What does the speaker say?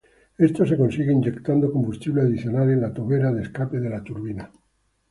Esto se consigue inyectando combustible adicional en la tobera de escape de la turbina.